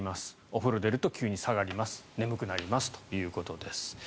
お風呂出ると急に下がります眠くなりますということです。